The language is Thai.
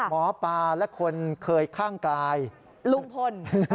หมอปลาและคนเคยข้างกายลุงพล